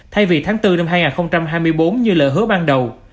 thay vì tháng bốn năm hai nghìn hai mươi bốn như lỡ hứa ban đầu